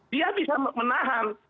dia bisa menahan